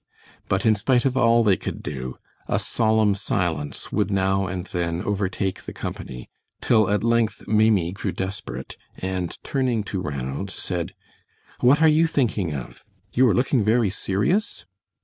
But in spite of all they could do a solemn silence would now and then overtake the company, till at length Maimie grew desperate, and turning to Ranald, said: "What are you thinking of? You are looking very serious?"